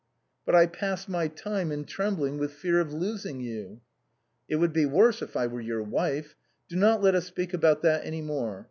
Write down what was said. " But I pass my time in trembling with fear of losing you." " It would be worse if I were your wife. Do not let us speak about that any more.